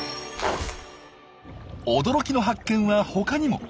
驚きの発見は他にも。